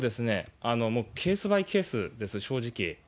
もうケースバイケースです、正直。